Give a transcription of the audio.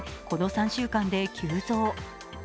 この３週間で急増。